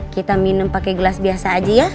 kita minum pakai gelas biasa aja ya